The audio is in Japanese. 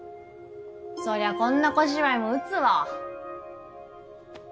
そりゃこんな小芝居も打つわ。